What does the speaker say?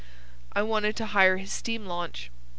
"I wanted to hire his steam launch."